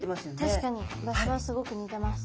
確かに場所はすごく似てます。